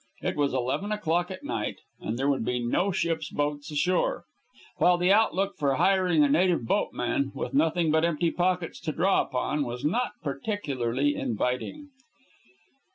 It was eleven o'clock at night, and there would be no ship's boats ashore, while the outlook for hiring a native boatman, with nothing but empty pockets to draw upon, was not particularly inviting.